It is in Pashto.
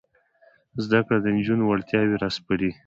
زده کړه د نجونو وړتیاوې راسپړي.